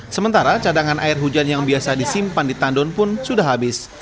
sementara cadangan air hujan yang biasa disimpan di tandon pun sudah habis